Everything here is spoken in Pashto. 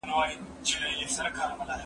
زه له سهاره ږغ اورم؟!